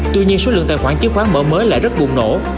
tuy nhiên số lượng tài khoản chứng khoán mở mới lại rất bùng nổ